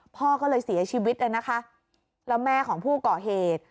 พ่อก็เลยเสียชีวิตเลยนะคะแล้วแม่ของผู้ก่อเหตุ